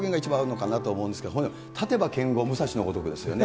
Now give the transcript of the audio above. どういう表現が一番合うのかなと思うんですけど、立てば剣豪武蔵のごとくですよね。